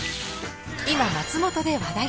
今松本で話題！